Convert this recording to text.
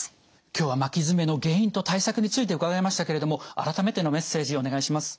今日は巻き爪の原因と対策について伺いましたけれども改めてのメッセージお願いします。